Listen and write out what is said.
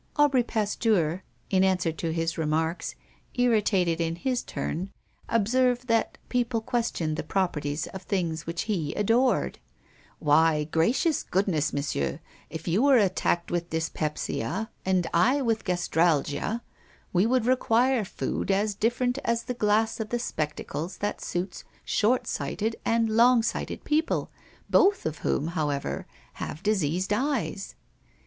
Aubry Pasteur, in answer to his remarks, irritated in his turn, observed that people questioned the properties of things which he adored: "Why, gracious goodness, Monsieur, if you were attacked with dyspepsia and I with gastralgia, we would require food as different as the glass of the spectacles that suits short sighted and long sighted people, both of whom, however, have diseased eyes."